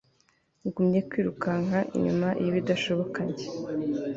ngumye kwirukanka inyuma yibidashoboka jye